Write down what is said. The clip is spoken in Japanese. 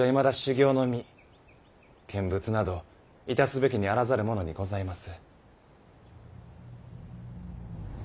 見物などいたすべきにあらざる者にございます。